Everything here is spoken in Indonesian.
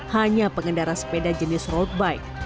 hanya pengendara sepeda jenis roadbike